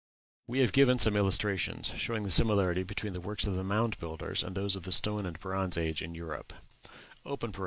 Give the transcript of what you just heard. We have given some illustrations showing the similarity between the works of the Mound Builders and those of the Stone and Bronze Age in Europe.